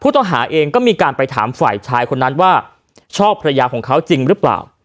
ต้องหาเองก็มีการไปถามฝ่ายชายคนนั้นว่าชอบภรรยาของเขาจริงหรือเปล่า